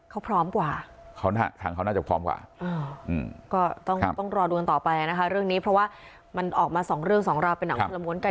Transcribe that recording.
เขาพร้อมกว่าทางเขาน่าจะพร้อมกว่าก็ต้องรอดูกันต่อไปนะคะเรื่องนี้เพราะว่ามันออกมาสองเรื่องสองราวเป็นหนังคนละม้วนกัน